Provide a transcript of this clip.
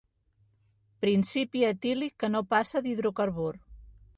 Principi etílic que no passa d'hidrocarbur.